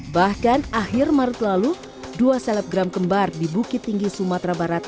bahkan akhir maret lalu dua selebgram kembar di bukit tinggi sumatera barat